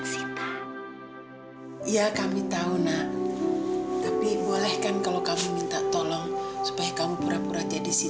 sejak kematian sita baru hari ini kamu bisa melihat andri secerinya ini